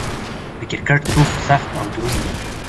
د کرکټ توپ سخت او دروند يي.